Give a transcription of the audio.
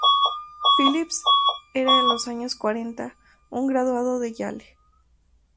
Philips era en los años cuarenta, un graduado de Yale.